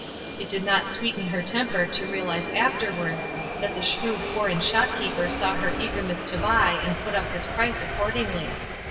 It did not sweeten her temper to realize after wards that the shrewd foreign shopkeeper saw her eagerness to buy and put up his price accordingly.